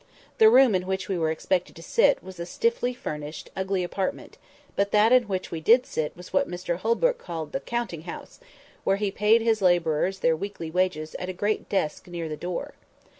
The room in which we were expected to sit was a stiffly furnished, ugly apartment; but that in which we did sit was what Mr Holbrook called the counting house, where he paid his labourers their weekly wages at a great desk near the door.